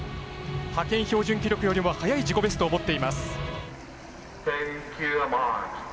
派遣標準記録よりも早い自己ベストを持っています。